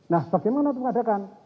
nah bagaimana itu mengadakan